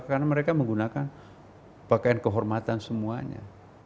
karena mereka menggunakan pakaian kehormatan semuanya